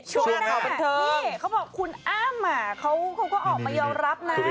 ช่วงหน้าพี่นี่เขาบอกคุณอ้ามเขาก็ออกมาเรียลรับนะ